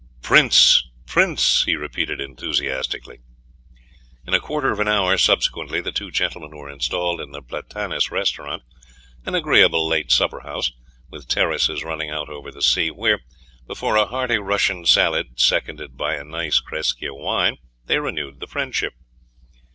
"Prince, prince!" he repeated enthusiastically. In a quarter of an hour subsequently the two gentlemen were installed in the Platanes Restaurant, an agreeable late supper house, with terraces running out over the sea, where, before a hearty Russian salad, seconded by a nice Crescia wine, they renewed the friendship.